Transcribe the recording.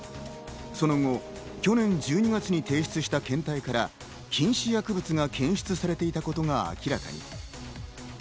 その後、去年１２月に提出した検体から禁止薬物が検出されていたことが明らかに。